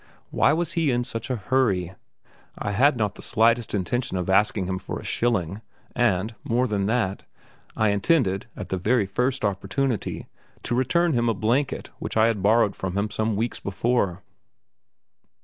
Why was he in such a hurry? I had not the slightest intention of asking him for a shilling, and, more than that, I intended at the very first opportunity to return him a blanket which I had borrowed from him some weeks before.